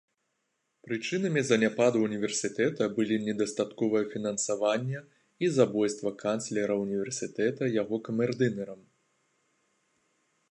Прычынамі заняпаду ўніверсітэта былі недастатковае фінансаванне і забойствам канцлера ўніверсітэта яго камердынерам.